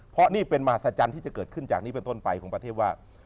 เพราะนี่เป็นมหัศจรรย์ที่จะเกิดขึ้นจากนี้เป็นต้นไปของประเทศว่า